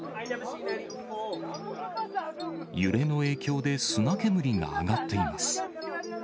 揺れの影響で砂煙が上がっています。